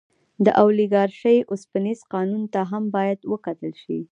د اولیګارشۍ اوسپنیز قانون ته هم باید وکتل شي.